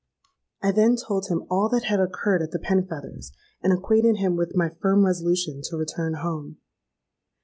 I then told him all that had occurred at the Penfeathers', and acquainted him with my firm resolution to return home.